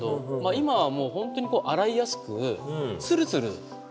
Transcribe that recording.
今はもう本当に洗いやすくツルツル。